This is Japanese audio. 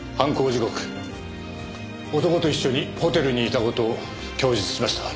時刻男と一緒にホテルにいた事を供述しました。